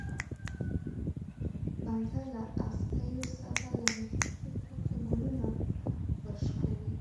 بنده له ازغيو سره له نښتې پرته ګلونه ورشکوي.